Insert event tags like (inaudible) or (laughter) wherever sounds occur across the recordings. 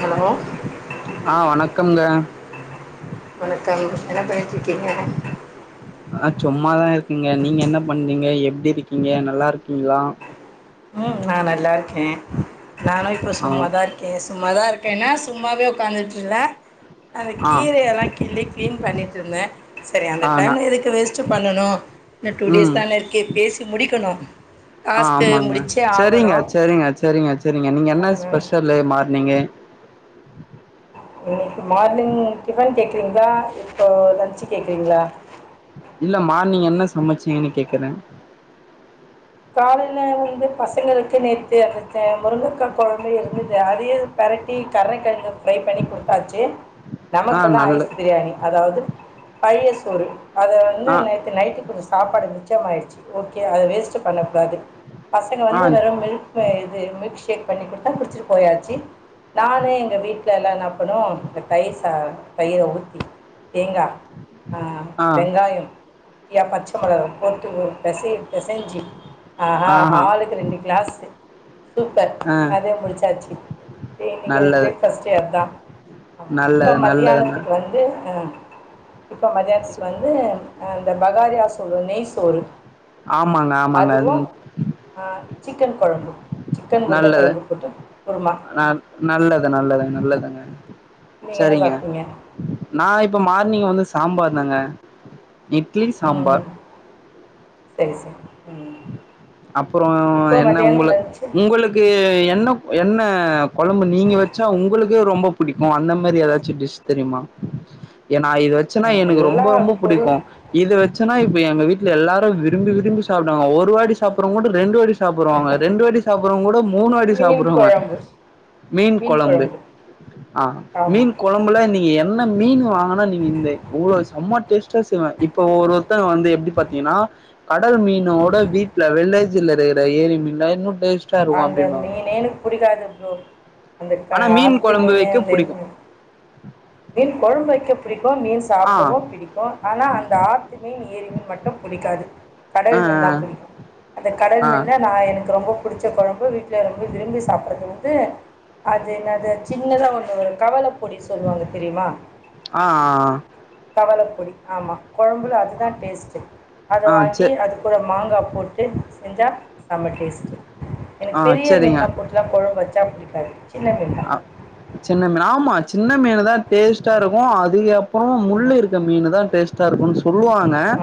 Hello ஆஹ் வணக்கம்ங்க வணக்கம் என்ன பண்ணிட்ருக்கீங்க ஆஹ் சும்மாதான் இருக்கேங்க நீங்க என்ன பண்றீங்க எப்டி இருக்கீங்க நல்லா இருக்கீங்ளா உம் நான் நல்லா இருக்கேன் ம் நானும் இப்போ ஆ சும்மாதான் இருக்கேன் சும்மாதான் இருக் ஏன்னா சும்மாவே உட்கார்ந்துட்டு இருக்க அந்த ஆ கீரையெல்லாம் கிள்ளி கிளீன் பண்ணிட்டு இருந்தேன் சரி அந்த ஆ நா டைம்ல எதுக்கு வேஸ்ட்ட் பண்ணணும் இன்னும் டூ டேஸ் தானே இருக்கு பேசி முடிக்கணும் ஆஹ டாஸ்க்கு ஆமாங்க முடிச்சே சரிங்க ஆகணும் சரிங்க சரிங்க சரிங்க நீங்க என்ன அதனால் ஸ்பெஷல்ல பண்ணிங்க இன்னைக்கு மார்னிங் ஃடிபன் செ செஞ்ச இப்போ லன்ச்சு கேக்கறீங்களா இல்ல மார்னிங் என்ன சமைச்சீங்கன்னு கேக்கறே காலையில வந்து பசங்களுக்கு நேத்து அந்த முருங்கக்கா கொழம்பு இருந்தது அதையே பெரட்டி கரனக்கெழங்கு ப்ரை பண்ணி கொடுத்தாச்சி ஆ நமக்கெல்லாம் நல்ல ஐஸ் பிரியாணி அதாவது பழைய சோறு அதுல வந்து ஆ நேத்து நைட்டு கொஞ்சம் சாப்பாடு இருந்துச்சி மிச்சமாயிடுச்சி ஓகே அத வேஸ்ட் பண்ணக்கூடாது பசங்க ஆ வந்து வற மோது இது மில்க் ஷேக் பண்ணி குடுத்தா குடிச்சிட்டு போயாச்சி நானு எங்க வீட்டு ல எல்லாம் என்னா பண்ணுவோம் இந்த தயிர் சாதம் தயிற ஊத்தி தேங்கா ஆ ஆ வெங்காயம் யா பச்ச மொளக போட்டு ஒரு பெசைய பெசஞ்சி ஆஹ ஆஹா ஆளுக்கு ரெண்டு கிளாஸு சூப்பர் ஆ அதே முடிச்சாச்சி இன்னைக்கு ஒரு நல்லது ப்ளேட் ஃபர்ஸ்ட்டே அதான் இப்போ நல்லது நல்லதுங்க மத்தியானத்துக்கு வந்து ஆ இப்போ ஸ் மதியானத்துக்கு வந்து அந்த பகாரியா சொல்லுவோ நெய் சோறு ஆம் மாங்க ஆமாங்க அதுவும் ம் ஆ, சிக்கன் குழம்பு சிக்கன் நல்லது உருளைக்கிழங்கு போட்டு குருமா ந நல்லது நல்லது நல்லதுங்க (unintelligible) நீங்கள் என்ன சரிங்க சாப்பிட்டீங்க நான் இப்ப மா இன்னிக்கி வந்து சாம்பார் தாங்க இட்லி சாம்பார் செரி செரி அப்புறம் என்ன மதியானம் உங்களு லஞ்சு உங்களுக்கு என்ன என்ன கொழம்பு நீங்க வச்சா உங்களுக் கு ரொம்ப பிடிக்கும் அந்த மாரி ஏதாச்சிம் டிஷ் தெரியுமா நா இது வச்சன்னா எனக்கு ரொம்ப எல்லா ரொம்ப பொருள் பிடிக்கும் இது வச்சன்னா இப்ப எங்க வீட்ல எல்லாரும் விரும்பி விரும்பி சாப் டங்க ஒரு வாட்டி சாப்பறவங்க கூட ரெண்டு வாட்டி சாப்பறவாங்க ரெண்டு வாட்டி சாப்பறவங்க கூட மூணு வாட்டி மீன் சாப்பறவங்க குழம்பு மீன் கொழம்பு ஆ மீன் ஆமாம் கொழம்புல இன்னிக்கி என்ன நல்ல மீன் வாங்கனா நீங்க இந்த அவ்ளோ செம டேஸ்டா செய்வன் இப்போ ஒவ்வொருத்தவங்க வந்து எப்டி பாத்தீங்கன்னா கடல் மீன் னோட வீட்ல வில்லேஜில இருக்கிற ஏரி மீன்லா இன்னும் டேஸ்ட் அந்த மீனே எனக்கு புடிக்காது ஓ அந்த ஆனா மீன் ஆத்து குழம்பு மீனு வைக்க அந்த புடிக்கு மீன் கொழம்பு வக்க பிடிக்கு மீன் ஆ சாப்பிடவு பிடிக்கு ஆனா அந்த ஆத்து மீன் ஏரி மீன் மட்டு பிடிக்காது கடல் மீன் தா ஆ பிடிக்கு அந்த கடல் ஆ மீன்ல நா எனக்கு ரொம்ப புடிச்ச கொழம்பு வீட்ல ரொம்ப விரும்பி சாப்பறது வந்து அது என்ன அது சின்னதா ஒன்னு ஒரு கவல பொடி சொல்லுவாங்க தெரியுமா ஆ கவள பொடி ஆமா கொழம்புல அதான் டேஸ்ட் ச (unintelligible) அத ஆ செ வாங்கி அது கூட மாங்க மாங்கா போட்டு செஞ்சா செம டேஸ்ட் எனக்கு பெரிய மீன் செரிங்க எல்லா போட்டுதா கொழம்பு வச்சு தா பிடி பிடிக்காது சின்ன ஆ சின்ன மீனா ஆமா சின்ன மீன் தா டேஸ்ட்டா இருக்கு அதுயப் அப்றோ முள் ஆமாம் இருக்க மீனு தா டேஸ்ட் தர்புன்ஸ்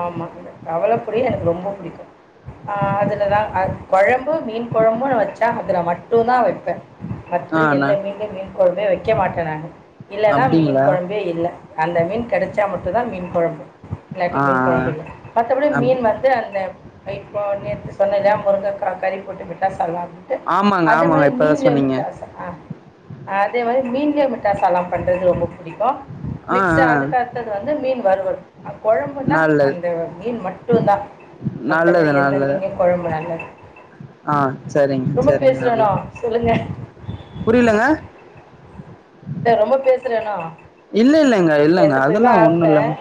ஆமா கவல பொரி எனக்கு ரொம்ப புடிக்கு ஆ அதுலதா அ பழம் ப்ப மீன் கொழம்புன்னு வச்சா இதுல மட்டுந் தா வெப்பே ஆ மத்த அண்ணா எந்த மீன்லையு மீன் கொழம்பே வக்க வக்க மாட்டே நானு இல்லன்னா மீன் அப்டிங்களா கொழம்பே இல்ல அந்த மீன் கெடச்சா மட்டு தா மீன் கொழம்பு ஆ மீன் கொழம்பு மற்றபடி ஆ அப்டி மீன் வந்து அந்த வைபா சொன்னல்ல முருங்கக்கா கறி கோட்ட மிட்டா சல்லா போட்டு ஆமாங்க அதே ஆமாங்க மாதிரி இப்பதா மீன்ல சொன்னீங்க விட்டு அதே மாரி மீன் புதிய மட்டாசாலா பண்றது ரொம்ப புடிக்கு ஆ நெக்ஸ்டு ஆ அதுக்கு அடுத்தது வந்து மீன் வருவல் அப்ப பண்டா நல்லது அந்த மீன் மட்டுதா நல்லது மத்தபடி எந்த நல்லது மீனையு கொழம்பு நல்ல ஆ சரிங் சரிங்க நல்ல பேசுறேனோ சொல்லுங்கள் புரிலங்க இல்ல ரொம்ப பேசுறனோ இல்ல இல்ல லங்க இல்லங்க அதெல்லா ஒன்னு இல்லங்க ஆப்பேன்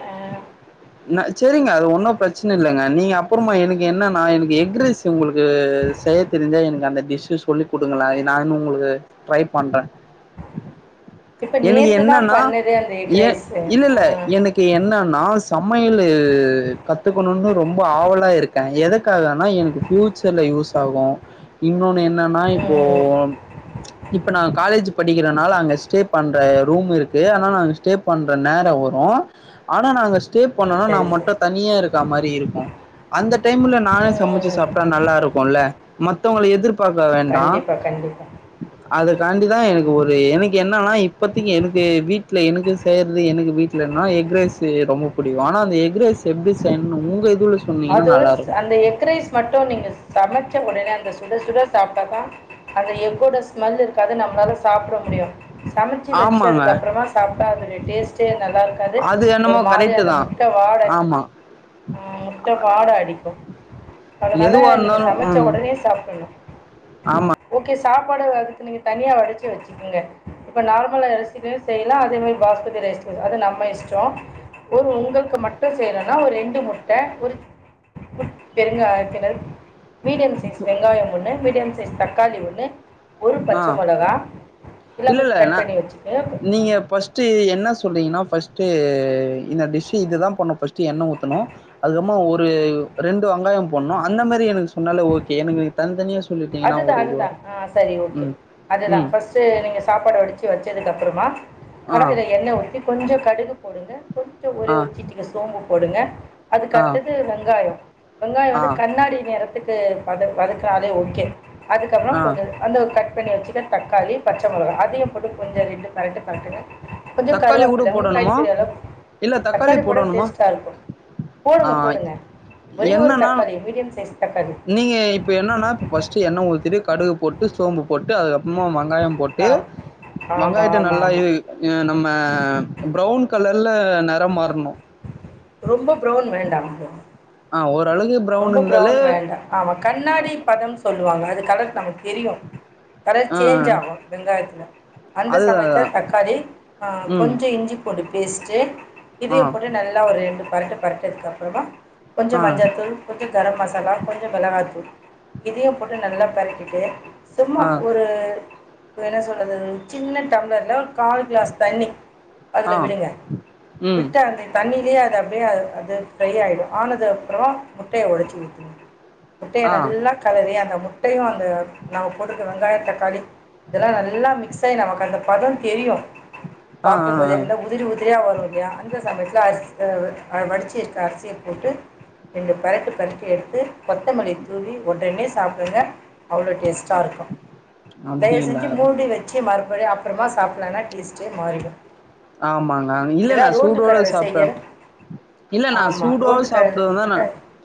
ந சேரிங்க அது ஒன்னு பிரச்சன இல்லங்க நீங்க அப்புறமா எனக்கு என்ன நா எனக்கு எக்ரீஸ் உங்களுக்கு செய்ய தெரிஞ்சா எனக்கு அந்த டிஷ்ச சொல்லி் குடுங்கள நானு உங்களுக்கு ட்ரை பண்றே இப்ப எனக்கு நேத்துதா என்னன்னா பண்ண ஏ இல்ல இல்ல எனக்கு என்ன நா சமையலு கத்துக்கணுன்னு ரொம்ப ஆவலா இருக்கே எதுக்காகனா எனக்கு பியூச்சர்ல யூஸ் ஆகு இன்னொன்னு என் இன்னான்னா இப்போ ம் இப்ப நா காலேஜ் படிக்கிறனால அங்க ஸ்டே பண்ற ரூம் இருக்கு நானா ஸ்டே பண்ற நேரோ வரு ஆனா நாங்க ஸ்டே ம் பண்ணோனா நா சரி மட்டு சரி தனியா இருக்க மாரி இருக்கு அந்த டைம்ல நானே சமைச்சி ம் ம் சாப்ட்டா நல்லா இருக்கு இல்ல த்தவங்கல எதிர்ப் பாக்க வேண்டா கண்டிப்பாக கண்டிப்பாக அததுக்காண்டிதா எனக்கு ஒரு ம் எனக்கு என் ன்னானா இப்பதிக்கு எனக்கு வீட் ட்டல எனக்கு செய்யறது எனக்கு வீட்லன எக்ரைஸ் ரொம்ப புடிக்கு ஆனா அந்த எக்ரைஸ் எப்பிடி செய்யனு உங்க அது வந்துஸ் அந்த எக்ரைஸ் மட்டு நீங்க சமைக் ச்ச உடனே அந்த சுட சுட சாப்ட்டதா அந்த எக்கோட ஸ்மெல் இருக்காது நம்மளால சாப்பிட முடியு சமைச்சி ஆமாங்க வச்சதுக்கு அப்புறமா சாப்பிட்டா அதுடைய டேஸ்ட்டே நல்லா இருக்காது அது ஒரு என்னமோ மாதிரி கரெக்டு அந்த தான் முட்ட வாட ஆமாம் ம் ட்ட வாட அடிக்கு அதனால எதுவாக நீங்க இருந்தாலும் சமச்ச ம் ஒடனே சாப்பிடணு ஆமாம் ஓகே சாப்பாடு அதுக்கு நீங்க தனியா வடிச்சி வச்சிகங்க இப்ப நார்மலா அரிசிலயு செய்யலா அதே மேரி பாஸ்மதி ரைஸ்ல அது நம்ம இஷ்டோ ஒரு உங்களுக்கு மட்டு செய்யலன்னா ஒரு ரெண்டு முட்ட ஒரு பெருங்காயத்தினர் மீடியம் சைஸ் வெங்காயம் ஒண்ணு மீடியம் சைஸ் தக்காளி ஒண்ணு ஆ இல்ல இல்ல ந கட் பண்ணி வச்சுக்கோங்க நீங்க பஸ்ட் என்ன சொல்றீங்கன்னா பஸ்ட் அ இந்த டிஷ் இதுதா பண்ணு பஸ்ட் எண்ணெ ஊத்தனு அதுக்கம்மா ஒரு ரெண்டு வெங்காயோ போண்ணு அந்த மேரி எனக்கு சொ சொன்னாலே ஓகே எனக்கு தனி தனியா சொ அதுதா அதுதா ஆ சரி ஓ அதுதான் ம். பர்ஸ்ட் நீங்க சாப்பாடு வடிச்சு வச்சதுக்கு அப்புறம் அப்புறமா ஆ, கடாய் எண்ணெய ஊற்றி கொஞ்சம் கடுகு போடுங்க கொஞ்சம் ஒரே ஆ, ஒரு சிட்டிகை சோம்பும் போடுங்க அதுக்கு ஆ, அடுத்தது வெங்காய வெங்காய ஆ, வந்து கண்ணாடி நிறத்து க்கு வதுக்கறோம் தோழி ஓகே அதுக்கப்புறம் ஆ. கொஞ்சம் அந்த க பண்ணி வச்சுக்க தக்காளி பச்ச முளகா அதிக போட்டு கொஞ்சம் பெரட்டு பெரட்டுங்க கொஞ்ச தக்காளி கூட கருவாப்பில ஒரு போடணுமா? கைப்பிடிஅளவு இல்ல தக்காளி போட போடணுமா? டேஸ்ட்டா இருக்கும் ஆ போடுங்க போடுங்க ஒரே ஒரு என்னன்னா, தக்காளி மீடியம் சைஸ் தக்காளி நீங்க இப்ப என்னன்னா, இப்ப ஃபர்ஸ்ட்டு எண்ணெய் ஊத்திட்டு கடுகு போட்டு சோம்பு போட்டு அதுக்கப்புற சும்மா வெங்காயம் போட்டு ஆ ஆமாம் வெங்காயத்த ஆமாம் நல்லா ஆமாம் இது நம்ம பிரவுன் கலர்ல நிறம் மாறணும் ரொம்ப புரோன் வேண்டாம் ஆஹ ஒரு ரொம்ப புரவுன் வேண்டா ஆமா கண்ணாடி பதம் சொல்லுவாங்க அதுக்கு கலர் தாங்க தெரியும் கலர் ஆ சேஞ்ச் ஆகும் வெங்காயத்தில அந்த அதுதா சமயத்தில தக்காளி ம் கொஞ்சம் இஞ்சி பூண்டு பேஸ்ட்டு ஆ இதையும் போட்டு நல்லா ஒரு ரெண்டு பெறட்டு பெறட்னதுக்குஅப்புறமா ஆ கொஞ்சம் மஞ்சள்தூள் மசாலா கொஞ்சம் மிளகாதூள் இதையும் போட்டு நல்லா பெறட்டிட்டு சும்மா ஆ ஒரு இ என்ன சொல்றது சின்ன டம்ளர்ல ஆறு கிளாஸ் தண்ணி ஆ அதுல விடுங்க ம் விட்டு அந்த தண்ணிலேயே அப்பிடியே அது ட்ரை ஆயிடும் ஆனது அப்புறம் முட்டைய ஒடச்சி ஊத்திருவேன் முட்டைய ஆ நல்லா கெலறி அந்த முட் முட்டையும் அந்த நாங்கள் போட்டுக்கிற வெங்காய தக்காளி இதெல்லா நல்லா மிக்ஸ் ஆகி நமக்கு அந்த பதம் தெரியும் ஆ ஆ பாக்கும்போதே ஆ இருந்தா உதிரி உதிரியா வரும் இல்லையா அந்த சமயத்துல அரிசி வடிச்சி இருக்க அரிசியை போட்டு ஒரு பெறட்டு பெரட்டி எடுத்து கொத்தமல்லி தூவி ஓடனே சாப்பிடுங்க அவ்வளோ டேஸ்ட்டாக இருக்கும் தயவு அப்டிங்களா செஞ்சு மூடி வச்சு மற அப்டியே அப்புறமா சாப்பிடலனா டேஸ்ட்டே மாறும் ஆமாங்க இல்ல நான் சூடோட சாப்பிட்டேன் செய்யற இல்ல நான் ஆமா. சூடோடு ரோட்டு கடையில சாப்பிடுதான் கேட்டா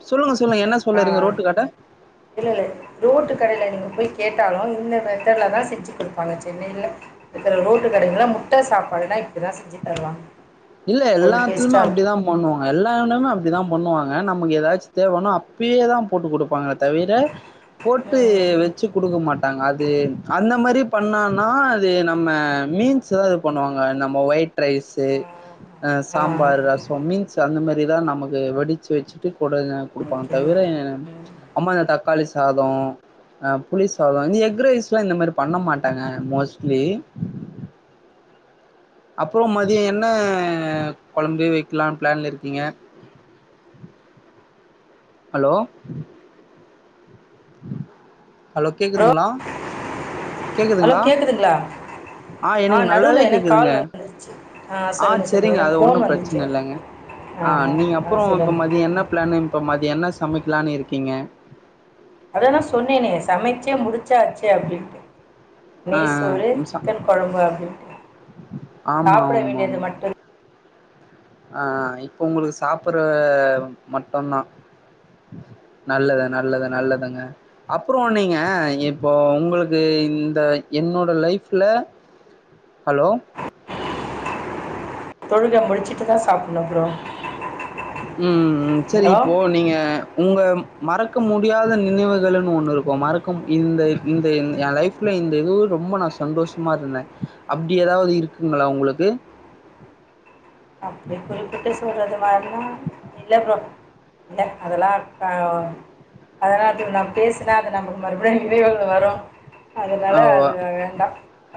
சொல்லுங்க சொல்லுங்க என்ன ஆ. சொல்லறங்க ரோட்டு கட்ட இல்ல இல்ல ரோட்டு கடையில நீங்க போய் கேட்டாலும் இந்த மெத்தடுல தான் செஞ்சு கொடுப்பாங்க சென்னையில இருக்க ரோட்டு கடைகள்ல்லாம் முட்டை சாப்பாடுல்லாம் இப்பதான் செஞ்சு தருவாங்க இல்ல அவ்ளோ எல்லாத்துலுமே டேஸ்ட்டா இருக்கும். அப்படித்தான் பண்ணுவாங்க எல்லாடுமே அப்படித்தான் பண்ணுவாங்க நமக்கு ஏதாச்சும் தேவைனோ அப்பயே தான் போட்டு கொடுப்பாங்க தவிர போட்டு ம். வச்சு கொடுக்க மாட்டாங்க பாங்க அது அந்த மாதிரி பண்ணனா அது நம்ம மீன்ஸ் தான் இது பண்ணுவாங்க நம்ம ஒயிட் ரைஸ் ஆமா. (inaudible) அ ஆ. சாம்பார் ரசம் பீன்ஸ் அந்த மாதிரிதான் நமக்கு வடிச்சு வச்சுட்டு கூட கொடுப்பாங்க ஓகே, தவிர ஓகே. ம். அம்மா இந்த தக்காளி சாதம் ஆஹ புளி சாதம் இந்த எக்ரைஸ் எல்லாம் இந்த மாதிரி பண்ண மாட்டாங்க மோஸ்ட்லி அப்புறம் மதியம் என்ன குழம்பு வைக்கலாம்னு பிளான்ல இருக்கீங்க ஹலோ (inaudible) ஹலோ கேக்குதுங்களா ஹலோ கேக்குதுங்களா கேக்குதுங்களா? ஆஹ ஆ எனக்கு நடுவுல நல்லாவே எனக்கு கேக்குதுங்க கால் வந்துருச்சு. ஆ ஆஹ சொல்லுங்க, சொல்லுங்க. சரிங்க அத எனக்கு ஃபோன் ஒன்னும் வந்துச்சு. பிரச்சனை இல்லங்க ஆஹ ஆமா. நீங்க ஆ அப்புறம் இப்ப சொல்லுங்க. மதியம் என்ன பிளான் இப்ப மதியம் என்ன சமைக்கலான்னு இருக்கீங்க அதெல்லாம் சொன்னே நீ சமைச்சே முடிச்சாச்சே அப்படின்ட்டு ஆ நெய் சோறு ஆ சிக்கன் குழம்பு அப்படின்ட்டு ஆமா சாப்பிட வேண்டியது மட்டும் தான் அஹ இப்போ உங்களுக்கு சாப்பிற மட்டும்தான் நல்லது நல்லது நல்லதுங்க அப்புறம் நீங்க இப்போ உங்களுக்கு இந்த என்னோட லைஃப்ல ஹலோ தொழுகை முடிச்சிட்டுதான் சாப்பிடணும் அப்பறம் உம் சரி இப்போ நீங்க உங்க மறக்க முடியாத நினைவுகள்ன்னு ஒண்ணு இருக்கும் மறக்க இந்த இந்த என் லைஃப்ல இந்த இது ரொம்ப நான் சந்தோஷமா இருந்தேன் அப்படி ஏதாவது இருக்குங்களா உங்களுக்கு அப்டி குறிப்பிட்டு சொல்றத வர்லா இல்ல ப்ரோ இல்ல அதெல்லாம் ஆ அதலா அப்பியு நா பேசனா அது நமக்கு மறுபடியும் விளைவுகள் வரும் அதனால ஆ அதக்கு வேண்டா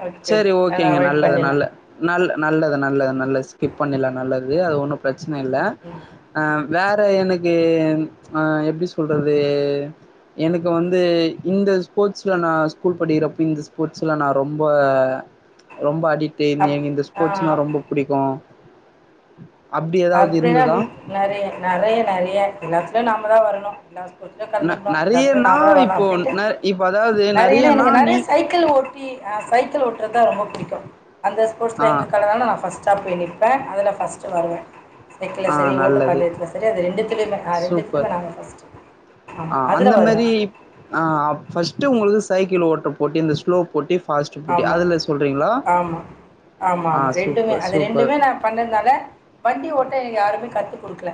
ஓகே சரி ஓகே அதனால ஓகேங்க அவாயிட் நல்லது பண்ணிலா நல்ல நல்ல நல்லது நல்லது நல்லது ஸ்கிப் பண்ணிலா நல்லது அது ஒன்னும் பிரச் சின இல்ல ம் ஆ வேற எனக்கு ஆ எப்டி சொல்றது எனக்கு வந்து இந்த ஸ்போர்ட்ஸ்ல நா ஸ்கூல் படிக்கிறப்போ இந்த ஸ்போர்ட்ஸ்ல நா ரொம்ப ரொம்ப அடிக் அப் டேனேங் இந்த ஆ, ஸ்போர்ட்ஸ்னா ரொம்ப பிடிக்கும் (unintelligible) அப்டின்னா வீட் நறையா நறையா நறையா எல்லாத்துல நாமதான் வரணும் எல்லா ஒருத்தரே ந கலந்துக்கணும் எல்லாத்துலயு நெறையனா நாமதா வரனு இப்போ அப்டின்ட்டு ந இப்ப அதாவது நெறையாவே நெறையனா எனக்கு நீ நறையா சைக்கள் ஓட்டி ஆ சைக்கள் ஓட்டுறதா ரொம்ப பிடிக்கும் அந்த போர்ட்ஸ்ல ஆ எங்க கலந்தாலு நான் ஃபஸ்ட்டா போய் நிப்பே அதுல ஃபஸ்ட் சொன்னாங்க சைக்கல ஆ சரி ஓட்ட நல்லது பந்தயத்துல சரி அது ரெண்டுத்திலமே ஆ சூப்பர் ரெண்டுத்திலமே நாங்க பஸ்ட் ஆமா ஆ அதுல அந்த வருவ மாரி ஆ ஃபர்ஸ்ட்டு உங்களுக்கு சைக்கிள் ஓட்டபோட்டி இந்த ஸ்லோ போட்டி ஃபாஸ்ட் போட்டி ஆமா அதுல சொல்றீங்களா ஆமா ஆமா ஆ ஆமா ரெண்டுமே சூப்பர் அது சூப்பர் ரெண்டுமே நா பண்ணதுனால வண்டி ஓட்ட எனக்கு யாருமே கத்து குடுக்கல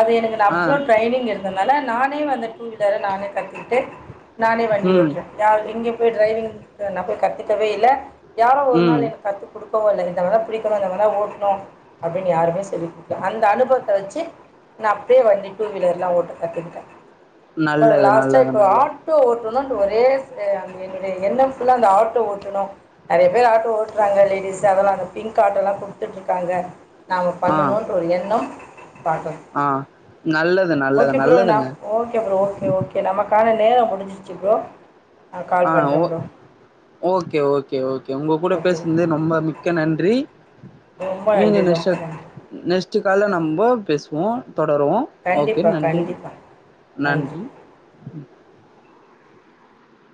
அது எனக்கு நா ஆ அவ்ளோ ட்ரைனிங் எடுத் அதனால நானே வந்து டூவீலர நானே கத்துகிட்டு நானே வண்டி ம் ஓட்டறே யார் எங்கே போயி ட்ரைவிங்க்கு நா போயி கத் துக்கவே இல்ல யாரோ ஒரு நாள் ம் எனக்கு கத்து குடுக் கவு இல்ல இந்த மாரிதா பிடிக்கனும் இந்த மாரிதா ஓட்னோ அப்டின் யாருமே சொல்லிக் குடுக்கல அந்த அனுபவத் த வச்சி நா அப்டே வண்டி டூ வீலர்லா ஓட்ட கத்துக்கிட்டே இப்ப நல்லது லாஸ்ட்டா நல்லது இப்ப நல்லது. ஆட்டோ ஓட் டனு இப்ப ஒரே எ என்னுடைய எண்ணம் ஃபுல்லா அந்த ஆட் டோ ஓட்டணு நறையா பேர் ஆட்டோ ஓட்றாங்க லேடிஸ் அதெல்லா அந்த பிங்க் ஆட்டோலா குடுத்துட்ருக்காங்க நாங்க ஆ, பண்ணணுன்ற ஒரு எண்ணம் பாக்லா ஆ. நல்லது நல்லது ஓகே ப்ரோ நா நல்லதுங்க. ஓகே ப்ரோ ஓகே ஓகே நமக்கான நேரம் முடிசிருச்சு ப்ரோ நா கால் பண்றே ப்ரோ கே ஓகே ஓகே உங்க கூட ஓகே ப்ரோ பேசுனது ரொம்ப மிக்க நன்றி ரொம்ப மீண்டு நன்றி ரொம்ப நெஷ்டு நன்றி நெஷ்ட்டு கால்ல நம்ம பேசு வோம் தொடருவோம் ஓகே கண்டிப்பாக நன்றி கண்டிப்பாக நன்றி